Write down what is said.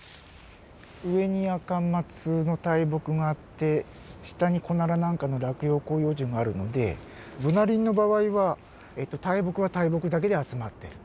上にアカマツの大木があって下にコナラなんかの落葉広葉樹があるのでブナ林の場合は大木は大木だけで集まってる。